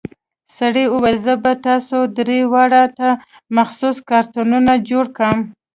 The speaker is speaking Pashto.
سړي وويل زه به تاسو درې واړو ته مخصوص کارتونه جوړ کم.